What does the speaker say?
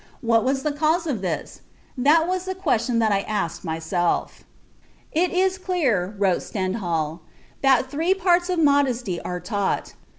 What was the cause of this? That was the question that I asked myself." "It is clear," wrote Stendhal, "that three parts of modesty are taught.